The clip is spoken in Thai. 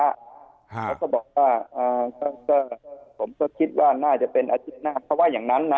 แล้วก็บอกว่าผมก็คิดว่าน่าจะเป็นอาทิตย์หน้าเขาว่าอย่างนั้นนะ